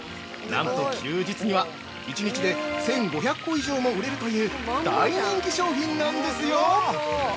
なんと休日には、１日で１５００個以上も売れるという大人気商品なんですよ！